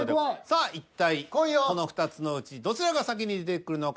さあ一体この２つのうちどちらが先に出てくるのか。